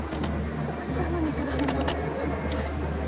フワッフワの肉だんごのスープ気になります。